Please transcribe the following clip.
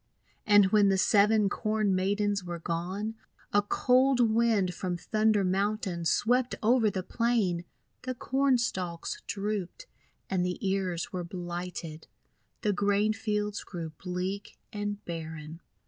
And when the Seven Corn Maidens were gone, a cold Wind from Thunder Mountain swept over the plain. The Corn Stalks drooped, and the ears were blighted. The grain fields grew bleak and barren.